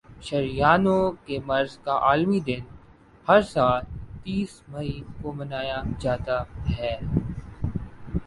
شریانوں کے مرض کا عالمی دن ہر سال تیس مئی کو منایا جاتا ہے